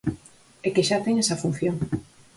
É que xa ten esa función.